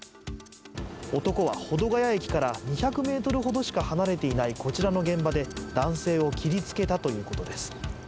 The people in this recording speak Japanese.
男は保土ケ谷駅から２００ｍほどしか離れていないこちらの現場で男性を切りつけたということです。